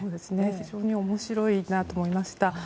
非常に面白いなと思いました。